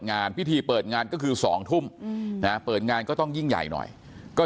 งานพิธีเปิดงานก็คือ๒ทุ่มเปิดงานก็ต้องยิ่งใหญ่หน่อยก็